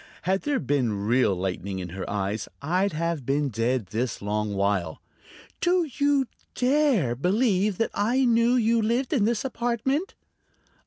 Had there been real lightning in her eyes I'd have been dead this long while. "Do you dare believe that I knew you lived in this apartment?"